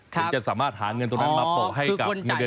เพื่อจะสามารถหาเงินตรงนั้นมาโปรให้กับเงินเดือนของนักเตะได้